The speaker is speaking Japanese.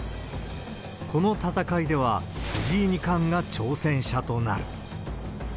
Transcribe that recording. この戦いでは、藤井二冠が挑戦者となる。